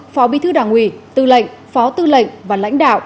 phó bí thư đảng ủy tư lệnh phó tư lệnh và lãnh đạo